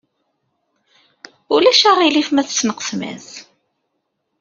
Ulac aɣilif ma tesneqsem-as?